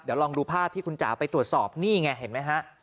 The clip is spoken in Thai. เดี๋ยวลองดูภาพที่คุณจ๋าไปตรวจสอบนี่ไงเห็นไหมฮะ